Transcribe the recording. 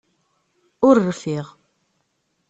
Ur rfiɣ!